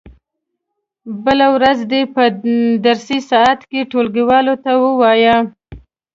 بله ورځ دې په درسي ساعت کې ټولګیوالو ته و وایي.